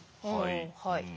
はい。